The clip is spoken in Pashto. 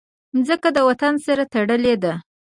مځکه د وطن سره تړلې ده.